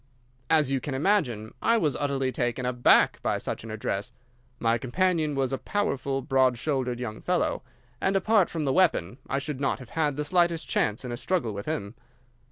"As you can imagine, I was utterly taken aback by such an address. My companion was a powerful, broad shouldered young fellow, and, apart from the weapon, I should not have had the slightest chance in a struggle with him.